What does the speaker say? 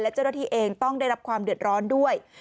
เจ้าหน้าที่เองต้องได้รับความเดือดร้อนด้วย